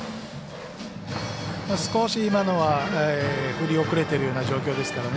少し、今のは振り遅れているような状況ですからね。